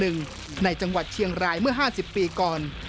ในจังหวัดเชียงรายเมื่อ๕๐ปีก่อน